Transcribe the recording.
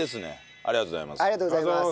ありがとうございます。